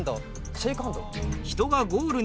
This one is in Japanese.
シェークハンド。